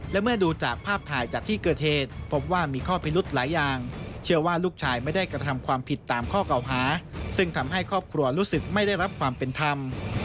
และให้ครอบครัวรู้สึกไม่ได้รับความเป็นธรรม